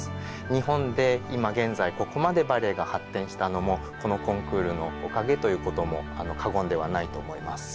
日本で今現在ここまでバレエが発展したのもこのコンクールのおかげということも過言ではないと思います。